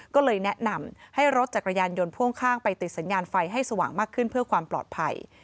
ก็เลยแนะนำให้รถจักรยานยนต์พ่วงข้างไปติดสัญญาณไฟให้สว่างมากขึ้นเพื่อความปลอดภัย